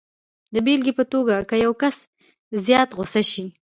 د بېلګې په توګه که یو کس زیات غسه شي